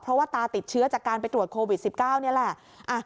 เพราะว่าตาติดเชื้อจากการไปตรวจโควิด๑๙นี่แหละ